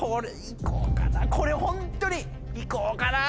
これホントにいこうかな。